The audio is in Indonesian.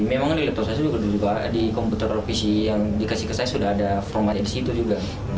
memang di laptop saya juga di komputer atau pc yang dikasih ke saya sudah ada formatnya disitu juga